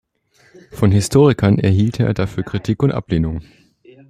Von Historikern erhielt er dafür Kritik und Ablehnung.